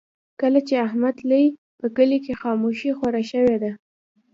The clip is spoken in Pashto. کله چې احمد تللی، په کلي کې خاموشي خوره شوې ده.